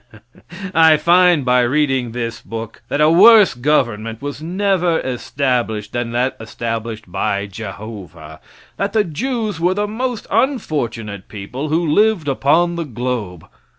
I find by reading this book that a worse government was never established than that established by Jehovah; that the Jews were the most unfortunate people who lived upon the globe.